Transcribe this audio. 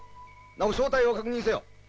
なお正体を確認せよ。